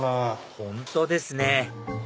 本当ですね